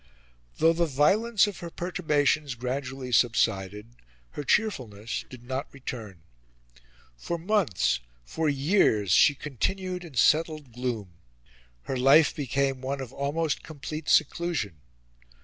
Though the violence of her perturbations gradually subsided, her cheerfulness did not return. For months, for years, she continued in settled gloom. Her life became one of almost complete seclusion.